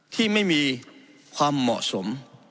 ที่ไม่มีความเหมาะสม